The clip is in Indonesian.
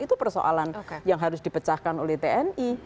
itu persoalan yang harus dipecahkan oleh tni